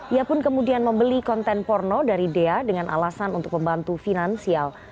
ia pun kemudian membeli konten porno dari dea dengan alasan untuk membantu finansial